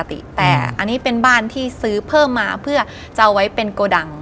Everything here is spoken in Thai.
แต่อันนี้เป็นบ้านที่ซื้อเพิ่มมาเพื่อจะเอาไว้เป็นโกดัง